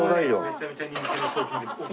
めちゃめちゃ人気の商品です。